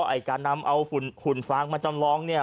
ไอ้การนำเอาฝุ่นฟางมาจำลองเนี่ย